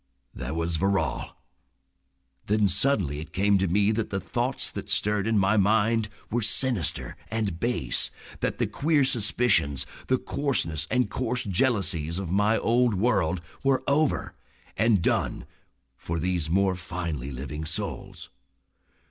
"There was Verrall." Then suddenly it came to me that the thoughts that stirred in my mind were sinister and base, that the queer suspicions, the coarseness and coarse jealousies of my old world were over and done for these more finely living souls.